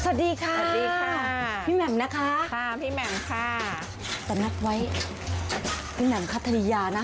สวัสดีค่ะสวัสดีค่ะพี่แหม่มนะคะค่ะพี่แหม่มค่ะสำนักไว้พี่แหม่มคัทธริยานะคะ